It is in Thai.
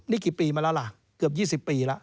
นี่กี่ปีมาแล้วล่ะเกือบ๒๐ปีแล้ว